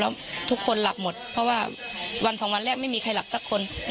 แล้วทุกคนหลับหมดเพราะว่าวันสองวันแรกไม่มีใครหลับสักคน